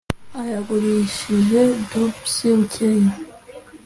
a yagurishije daubs bukeye.